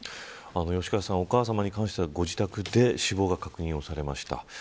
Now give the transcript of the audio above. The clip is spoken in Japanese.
吉川さん、お母さまに関してはご自宅で死亡が確認されました。